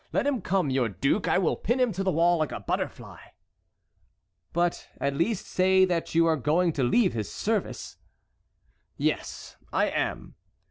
Let him come, your duke! I will pin him to the wall like a butterfly!" "But, at least, say that you are going to leave his service!" "Yes, I am."